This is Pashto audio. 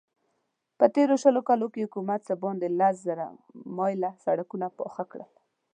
په تېرو شلو کالو کې حکومت څه باندې لس زره مايله سړکونه پاخه کړل.